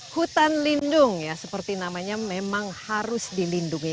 hutan lindung ya seperti namanya memang harus dilindungi